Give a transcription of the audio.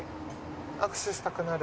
握手したくなる。